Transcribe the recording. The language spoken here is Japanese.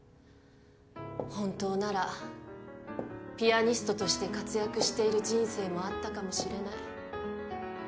本当ならピアニストとして活躍している人生もあったかもしれない。